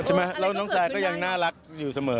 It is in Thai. แล้วน้องแซนก็ยังน่ารักอยู่เสมอ